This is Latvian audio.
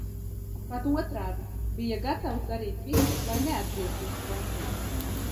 Pat otrādi, bija gatavs darīt visu, lai neatgrieztos frontē.